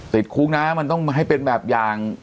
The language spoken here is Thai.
ติดคุกนะมันต้องให้เป็นแบบอย่าง